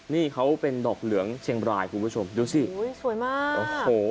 นี่เขาเป็นดอกเหลืองเชียงบรายคุณผู้ชมดูสิอุ้ยสวยมากโอ้โห